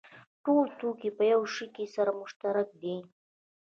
ټول توکي په یوه شي کې سره مشترک دي